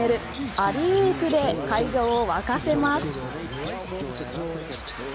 アリウープで会場を沸かせます。